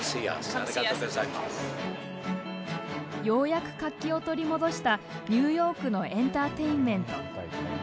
ようやく活気を取り戻したニューヨークのエンターテインメント。